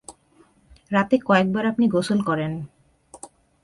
রাতে কয়েকবার আপনি গোসল করেন।